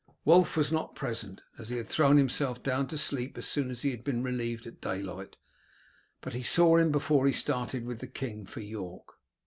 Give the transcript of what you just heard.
Wulf was not present, as he had thrown himself down to sleep as soon as he had been relieved at daylight, but he saw him before he started with the king for York.